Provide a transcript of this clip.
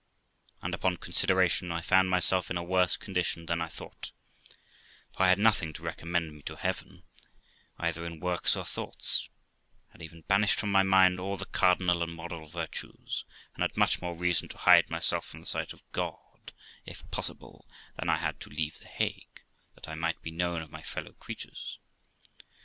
And, upon consideration, I found myself in a worse condition than I thought, for I had nothing to recommend me to Heaven, either in works or thoughts; had even banished from my mind all the cardinal and moral virtues, and had much more reason to hide myself from the sight of God, if possible, than I had to leave The Hague, that I might not be known of my fellow creatures.